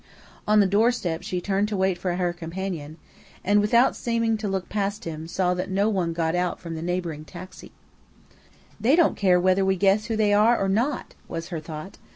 On the doorstep she turned to wait for her companion, and, without seeming to look past him, saw that no one got out from the neighbouring taxi. "They don't care whether we guess who they are or not," was her thought.